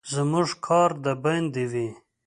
زموږ کار د باندې وي.